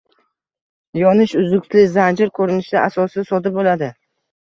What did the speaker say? yonish uzluksiz zanjir ko’rinishi asosida sodir bo’ladi.